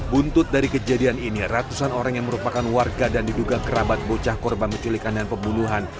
buntut dari kejadian ini ratusan orang yang merupakan warga dan diduga kerabat bocah korban penculikan dan pembunuhan